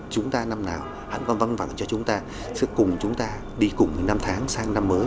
chúng ta năm nào hẳn còn văng vắng cho chúng ta sẽ cùng chúng ta đi cùng năm tháng sang năm mới